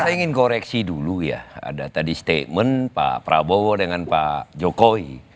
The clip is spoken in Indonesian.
saya ingin koreksi dulu ya ada tadi statement pak prabowo dengan pak jokowi